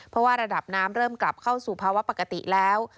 เพราะว่าระดับน้ำเริ่มกลับเข้าสู่ภาวะปกติแล้ว